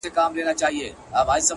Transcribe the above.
• یو مرغه وو په ځنګله کي اوسېدلی ,